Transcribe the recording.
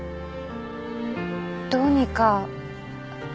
どうにか。